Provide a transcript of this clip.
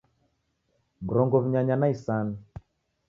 Mrongo w'unyanya na isanu